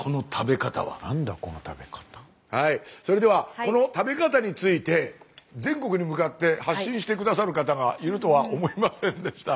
はいそれではこの「食べ方」について全国に向かって発信して下さる方がいるとは思いませんでした。